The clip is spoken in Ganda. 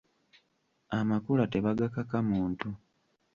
Amakula tebagakaka muntu.